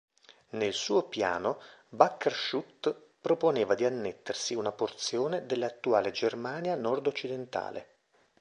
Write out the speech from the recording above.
Nel suo piano, Bakker-Schut proponeva di annettersi una porzione dell'attuale Germania nordoccidentale.